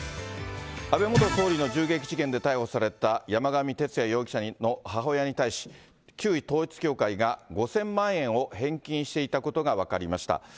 安倍元総理の銃撃事件で逮捕された山上徹也容疑者の母親に対し、旧統一教会が５０００万円を返金していたことが分かりました。